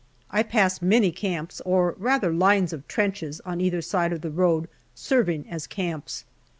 I pass many camps, or rather lines of trenches on either side of the road serving as camps.